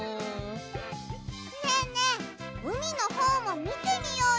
ねえねえうみのほうもみてみようよ！